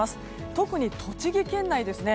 特に栃木県内ですね